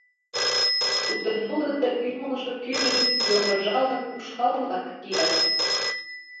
Тудын нугыдо ӱмылжӧ кӱдынь Йоҥыжалын ушкал-влак кият.